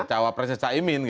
cawapresnya caimin gitu ya